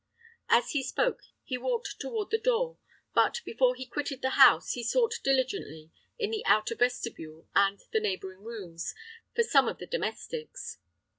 As he spoke, he walked toward the door; but, before he quitted the house, he sought diligently in the outer vestibule and the neighboring rooms for some of the domestics.